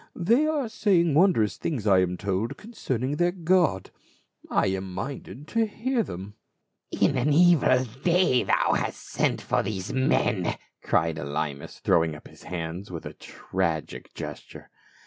" They are saying wondrous things, I am told, concerning their God ; I am minded to hear them." 278 PAUL. "In an evil day hast thou sent for these men!" cried Elymas throwing up his hands with a tragic gesture.